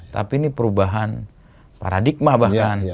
tapi ini perubahan paradigma bahkan